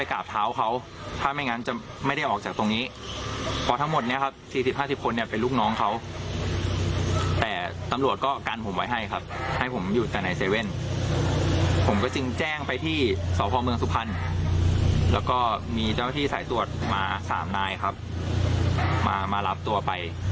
แล้วก็เจ้าหน้าที่สายตรวจมา๓นายครับมามารับตัวไป